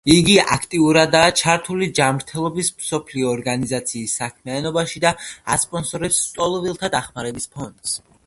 იგი აქტიურადაა ჩართული ჯანმრთელობის მსოფლიო ორგანიზაციის საქმიანობაში და ასპონსორებს ლტოლვილთა დახმარების ფონდს.